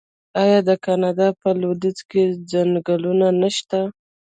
آیا د کاناډا په لویدیځ کې ځنګلونه نشته؟